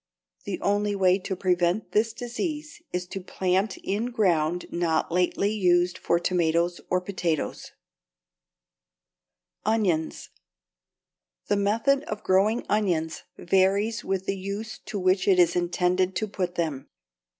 The only way to prevent this disease is to plant in ground not lately used for tomatoes or potatoes. [Illustration: FIG. 93. AN ONION HARVEST] =Onions.= The method of growing onions varies with the use to which it is intended to put them.